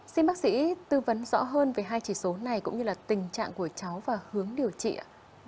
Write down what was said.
xin bác sĩ tư vấn rõ hơn về hai chỉ số này cũng như là tình trạng của cháu và hướng điều trị ạ